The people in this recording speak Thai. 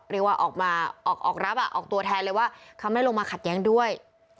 เรียกว่าออกมาออกรับออกตัวแทนเลยว่าเขาไม่ลงมาขัดแย้งด้วย